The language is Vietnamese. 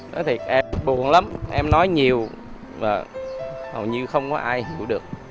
nói thiệt em buồn lắm em nói nhiều mà hầu như không có ai ngủ được